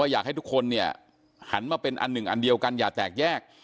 อยากให้ทุกคนเนี่ยหันมาเป็นอันหนึ่งอันเดียวกันอย่าแตกแยก